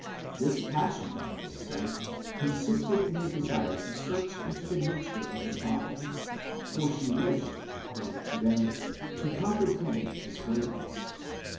This passion, they say, consisted in a desire to search into the nature of the Father; for she wished, according to them, to comprehend his great ness.